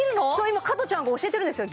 今加トちゃんが教えてるんですよ